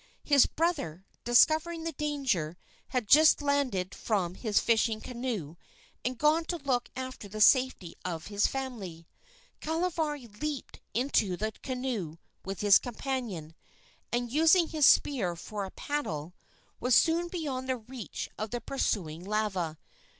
His brother, discovering the danger, had just landed from his fishing canoe and gone to look after the safety of his family. Kahavari leaped into the canoe with his companion, and, using his spear for a paddle, was soon beyond the reach of the pursuing lava.